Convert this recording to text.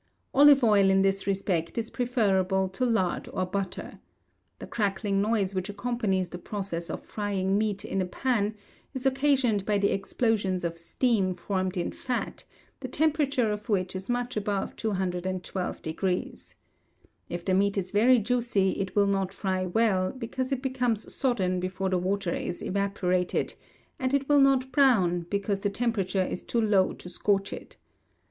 Olive oil in this respect is preferable to lard or butter. The crackling noise which accompanies the process of frying meat in a pan is occasioned by the explosions of steam formed in fat, the temperature of which is much above 212 degrees. If the meat is very juicy it will not fry well, because it becomes sodden before the water is evaporated; and it will not brown, because the temperature is too low to scorch it.